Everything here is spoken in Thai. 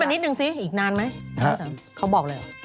นิดนึงซิอีกนานไหมเขาบอกเลยเหรอ